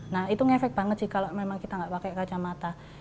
nah itu ngefek banget sih kalau memang kita nggak pakai kacamata